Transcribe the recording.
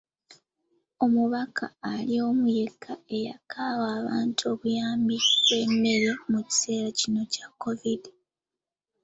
Omubaka ali omu yekka eyaakawa abantu obuyambi bw'emmere mu kiseera kino ekya COVID.